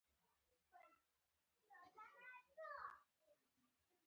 مجاهد د باطل خلاف ودریږي.